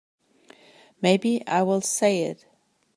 Maybe I will say it.